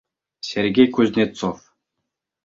Сергей КУЗНЕЦОВ